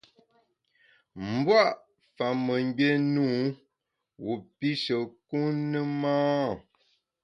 Mbua’ fa mengbié ne wu wu pishe kun ne ma ?